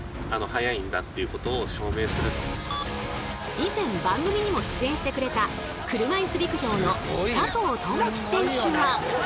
以前番組にも出演してくれた車いす陸上の佐藤友祈選手は。